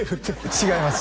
違います